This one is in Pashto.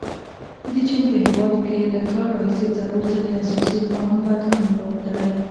د چین په هیواد کې له کال راهیسې څلور ځلې اساسي قانون بدلون موندلی.